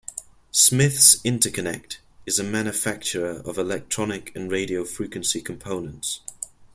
Smiths Interconnect is a manufacturer of electronic and radio frequency components.